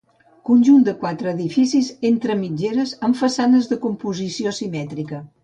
Conjunt de quatre edificis entre mitgeres amb façanes de composició simètrica.